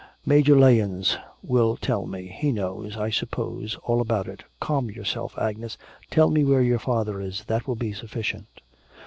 'Major Lahens will tell me, he knows, I suppose, all about it. Calm yourself, Agnes. Tell me where your father is, that will be sufficient.'